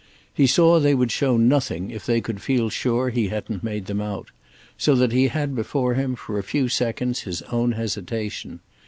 He saw they would show nothing if they could feel sure he hadn't made them out; so that he had before him for a few seconds his own hesitation.